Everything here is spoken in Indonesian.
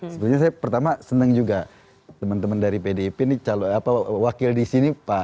sebenarnya saya pertama seneng juga teman teman dari pdp wakil di sini pak